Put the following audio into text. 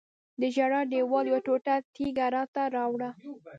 د ژړا دیوال یوه ټوټه تیږه راته راوړه.